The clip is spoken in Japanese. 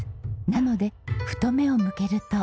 なのでふと目を向けると。